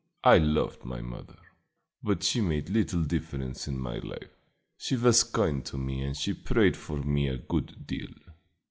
I loved my mother, but she made little difference in my life. She was kind to me and she prayed for me a good deal.